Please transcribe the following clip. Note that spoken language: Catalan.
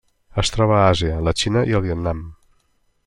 Es troba a Àsia: la Xina i el Vietnam.